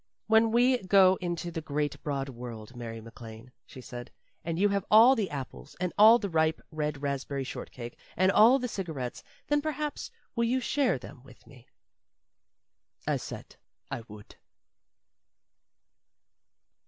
"When we go into the great, broad world, Mary MacLane," she said, "and you have all the apples, and all the ripe red raspberry shortcake, and all the cigarettes, then perhaps will you share them with me?" I said I would.